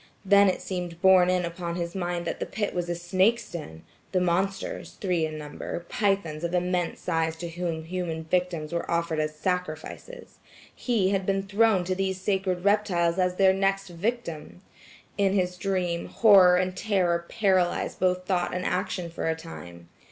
Then it seemed borne in upon his mind that the pit was a snake's den; the monsters–three in number–pythons of immense size to whom human victims were offered as sacrifices. He had been thrown to these sacred reptiles as their next victim. In his dream, horror and terror paralyzed both thought and action for a time.